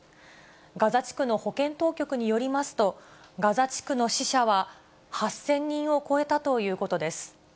ガザ地区の保健当局によりますと、ガザ地区の死者は８０００人を超えたということです。